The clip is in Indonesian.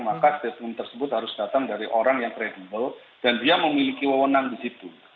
maka statement tersebut harus datang dari orang yang kredibel dan dia memiliki wawonan di situ